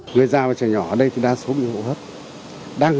người già và trẻ nhỏ ở đây thì đã sống nhiều hơn